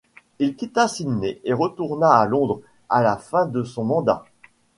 Il quitta Sydney et retourna à Londres à la fin de son mandat.